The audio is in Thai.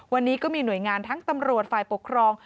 วันนี้ก็มีหน่วยงานทั้งตำรวจฝ่ายปกครอง